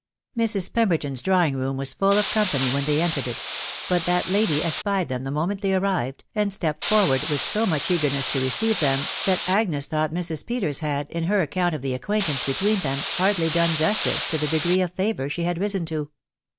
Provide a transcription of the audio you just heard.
Mrs. Pemberton's drawing room was full of company when they entered it, but that lady espied them the moment they irrived, and stepped forward with so much eagerness to receive them, that Agnes thought Mrs. Peters had, in her account of the acquaintance between them, hardly done justice to the de gree of favour she had risen, to.